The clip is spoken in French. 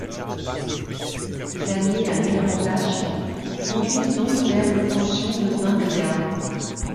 Les années à millerandage conduisent donc vers l’obtention de vins de garde.